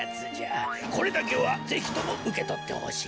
これだけはぜひともうけとってほしい。